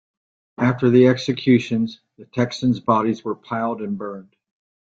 After the executions, the Texians' bodies were piled and burned.